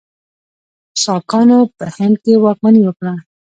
ساکانو په هند کې واکمني وکړه.